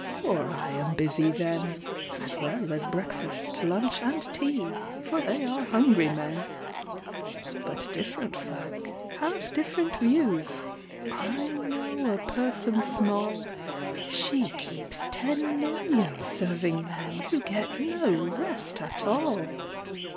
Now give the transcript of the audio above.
For I am busy then, As well as breakfast, lunch, and tea, For they are hungry men: But different folk have different views: I know a person small She keeps ten million serving men, Who get no rest at all!